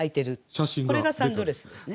これがサンドレスですね。